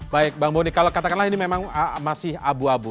baik bang boni kalau katakanlah ini memang masih abu abu